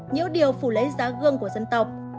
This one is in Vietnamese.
nhiễu điều phủ lấy giá gương của dân tộc